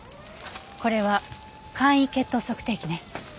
これは簡易血糖測定器ね。